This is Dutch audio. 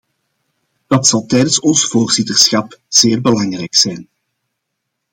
Dat zal tijdens ons voorzitterschap zeer belangrijk zijn.